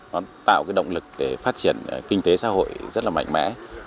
nó tạo động lực để phát triển kinh tế xã hội rất mạnh mẽ